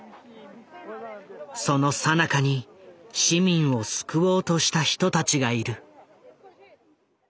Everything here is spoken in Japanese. そのさなかに市民を救おうとした人たちがいる。